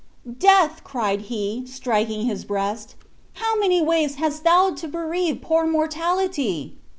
"Death!" cried he, striking his breast, "how many ways hast thou to bereave poor mortality!